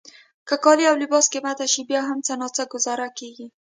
که کالي او لباس قیمته شي بیا هم څه ناڅه ګوزاره کیږي.